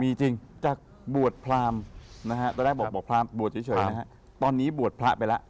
มีจริงจากบวชพรามนะฮะตอนแรกบอกบวชพรามบวชเฉยนะฮะตอนนี้บวชพระไปแล้ว